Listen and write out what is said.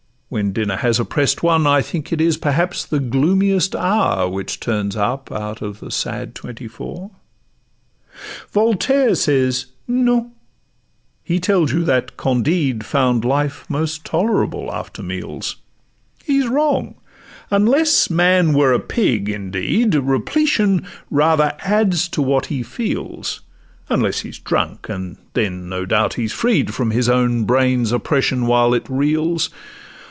When dinner has opprest one, I think it is perhaps the gloomiest hour Which turns up out of the sad twenty four. Voltaire says 'No:' he tells you that Candide Found life most tolerable after meals; He 's wrong—unless man were a pig, indeed, Repletion rather adds to what he feels, Unless he 's drunk, and then no doubt he 's freed From his own brain's oppression while it reels.